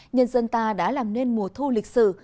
nhân dân ta đã làm nên mùa thu lịch sử